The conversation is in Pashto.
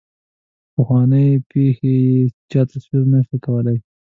پخوانۍ پېښې یې چا تصور نه شو کولای.